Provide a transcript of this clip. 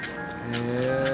「へえ」